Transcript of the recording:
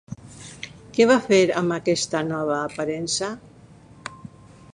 Què va fer amb aquesta nova aparença?